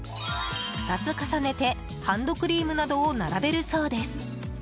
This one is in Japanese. ２つ重ねてハンドクリームなどを並べるそうです。